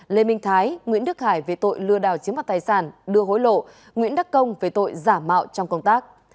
lê minh thái nguyễn đức hải về tội lừa đảo chiếm mặt tài sản đưa hối lộ nguyễn đắc công về tội giả mạo trong công tác